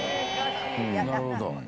なるほど。